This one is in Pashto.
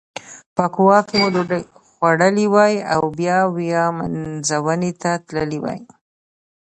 په کووا کې مو ډوډۍ خوړلې وای او بیا ویامنزوني ته تللي وای.